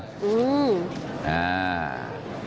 อืม